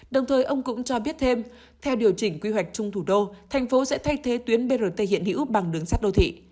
đồng thời ông cũng cho biết thêm theo điều chỉnh quy hoạch chung thủ đô thành phố sẽ thay thế tuyến brt hiện hữu bằng đường sắt đô thị